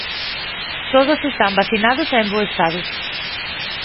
Todos están vacinados e en bo estado.